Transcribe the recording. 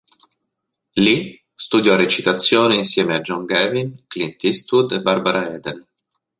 Lì, studiò recitazione insieme a John Gavin, Clint Eastwood e Barbara Eden.